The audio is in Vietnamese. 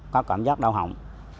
có cảm giác đau hỏng